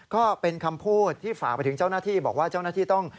ก็เป็นคำพูดที่ฝากไปถึงเจ้าหน้าที่บอกว่าเจ้าหน้าที่ต้อง